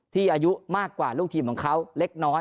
อายุมากกว่าลูกทีมของเขาเล็กน้อย